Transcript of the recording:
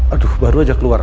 aduh baru aja keluar